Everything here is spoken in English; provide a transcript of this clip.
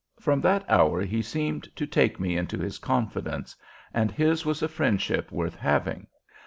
From that hour he seemed to take me into his confidence, and his was a friendship worth having.